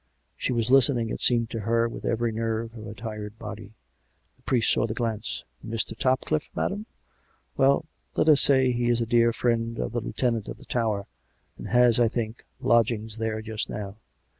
(She was listening, it seemed to her, with every nerve in her tired body.) The priest saw the glance. " Mr. Topcliffe, madam.'' Well; let us say he is a dear friend of the Lieutenant of the Tower, and has, I think, lodgings there just now.